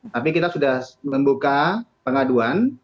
tapi kita sudah membuka pengaduan